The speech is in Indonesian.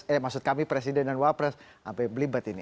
eh maksud kami presiden dan wapres apa yang berlibat ini